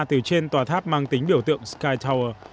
từ trên tòa tháp mang tính biểu tượng sky tower